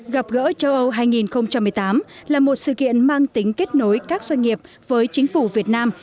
gặp gỡ châu âu hai nghìn một mươi tám là một sự kiện mang tính kết nối các doanh nghiệp với chính phủ việt nam